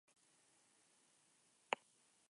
Eraztunak metalezkoak dira.